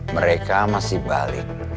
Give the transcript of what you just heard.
mereka masih balik